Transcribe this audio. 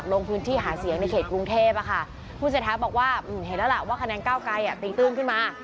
คะแนนเก้าไกลติ้งตึ้งขึ้นมา